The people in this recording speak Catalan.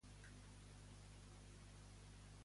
Posa'm també espuma a la llista "disfresses".